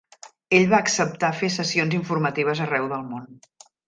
Ell va acceptar fer sessions informatives arreu el món.